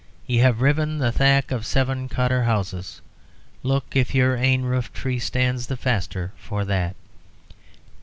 Ye have riven the thack of seven cottar houses. Look if your ain roof tree stands the faster for that.